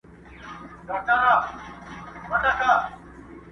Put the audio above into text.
فخر په ښکلا دي ستا د خپل وجود ښکلا کوي،